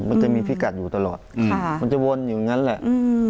มันจะมีพิกัดอยู่ตลอดมันจะวนอยู่อย่างนั้นแหละ